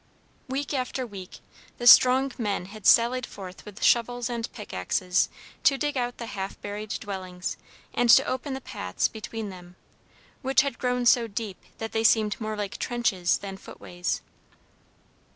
Week after week the strong men had sallied forth with shovels and pickaxes to dig out the half buried dwellings, and to open the paths between them, which had grown so deep that they seemed more like trenches than footways.